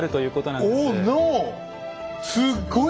すっごい